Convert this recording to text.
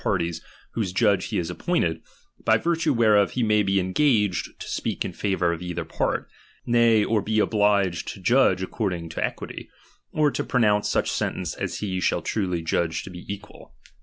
^' parties whose Judge he is appointed, by virtue whereof he may be engaged to speak in favour of either part, nay, or he obliged to judge ac cording to equity, or to pronounce such sentence as he shall truly judge to he equal.